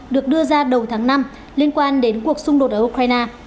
được đưa ra đầu tháng năm liên quan đến cuộc xung đột ở ukraine